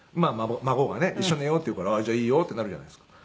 孫がね一緒に寝ようって言うからじゃあいいよってなるじゃないですか。